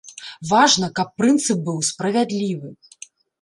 Важна, каб прынцып быў справядлівы.